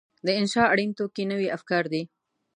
د انشأ اړین توکي نوي افکار دي.